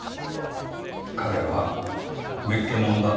彼はめっけもんだね。